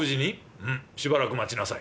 うんしばらく待ちなさい。